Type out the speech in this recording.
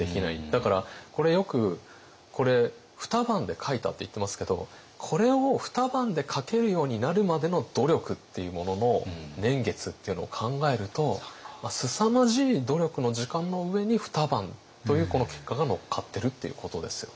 だからこれよく「二晩で描いた」っていってますけどこれを二晩で描けるようになるまでの努力っていうものの年月っていうのを考えるとすさまじい努力の時間の上に二晩というこの結果が乗っかってるっていうことですよね。